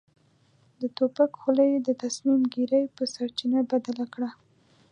د توپک خوله يې د تصميم ګيرۍ په سرچينه بدله کړه.